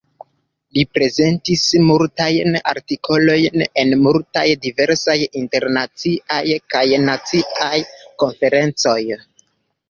Li prezentis multajn artikolojn en multaj diversaj internaciaj kaj naciaj konferencoj.